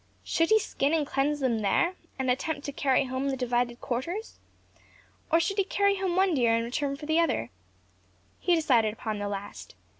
Should he skin and cleanse them there, and attempt to carry home the divided quarters? or should he carry home one deer and return for the other? He decided upon the last.